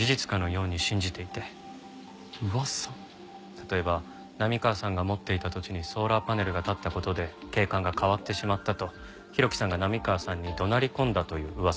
例えば波川さんが持っていた土地にソーラーパネルが立った事で景観が変わってしまったと浩喜さんが波川さんに怒鳴り込んだという噂があります。